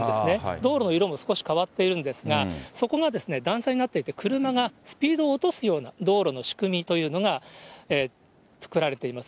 道路の色も少し変わっているんですが、そこがですね、段差になっていて、車がスピードを落とすような道路の仕組みというのが作られています。